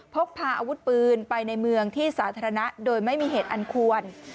พกพาอาวุธปืนไปในเมืองที่สาธารณะโดยไม่มีเหตุอันควร